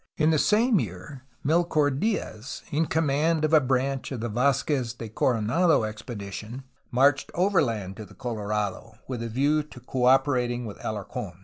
In the same year, Melchor Dfaz, in command of a branch of the Vazquez de Coronado expedi tion, marched overland to the Colorado, with a view to co operating with Alarc6n.